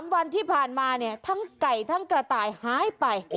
วันที่ผ่านมาเนี่ยทั้งไก่ทั้งกระต่ายหายไป